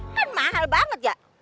kan mahal banget ya